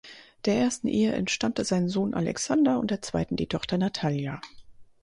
Der ersten Ehe entstammte sein Sohn Alexander und der zweiten die Tochter Natalja.